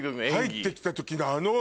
入ってきた時のあの。